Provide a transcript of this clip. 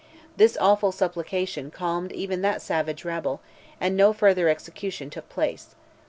This awful supplication calmed even that savage rabble, and no further execution took place.